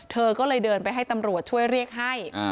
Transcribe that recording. เธอก็เลยเดินไปให้ตำรวจช่วยเรียกให้